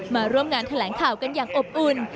มาร่วมงานแถลงข่าวกันอย่างอบอุ่น